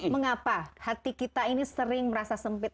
mengapa hati kita ini sering merasa sempit